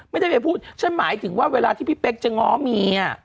ไม่ได้ไปพูดฉันหมายถึงว่าเวลาที่พี่เป๊กจะง้อเมีย